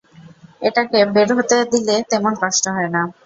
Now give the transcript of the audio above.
এটাকে বের হতে দিলে তেমন কষ্ট হয় না।